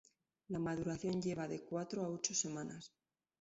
La maduración lleva de cuatro a ocho semanas.